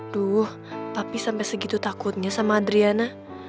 duh tapi sampai segitu takutnya sama adriana